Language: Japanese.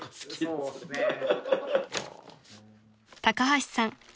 ［高橋さん